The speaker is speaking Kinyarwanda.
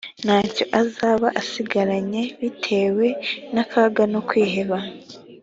nta cyo azaba asigaranye bitewe n’akaga no kwiheba